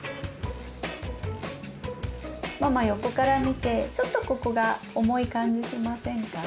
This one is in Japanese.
ママ横から見てちょっとここが重い感じしませんか？